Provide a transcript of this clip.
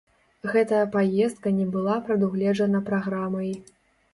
Гэтая паездка не была прадугледжана праграмай.